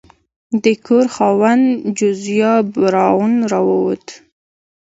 د کور خاوند جوزیا براون راووت.